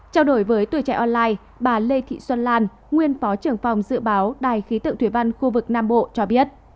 trao đổi với tuổi trẻ online bà lê thị xuân lan nguyên phó trưởng phòng dự báo đài khí tượng thủy văn khu vực nam bộ cho biết